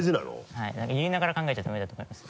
はい言いながら考えちゃダメだと思います。